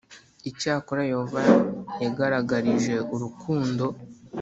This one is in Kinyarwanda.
Icyakora Yehova yagaragarije urukundo